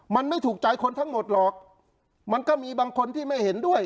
มันไม่ถูกใจคนทั้งหมดหรอกมันก็มีบางคนที่ไม่เห็นด้วย